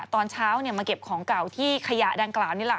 ตอนเช้าเนี่ยมาเก็บของเก่าที่ขยะดังกลางเนี่ยล่ะ